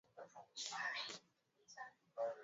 Kuwatenga wanyama walioathirika